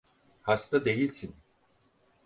Hasta değilsin.